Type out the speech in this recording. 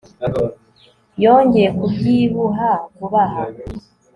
Yongeye kubyibuha vuba aha